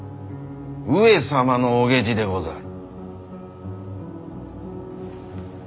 上様のお下知でござる。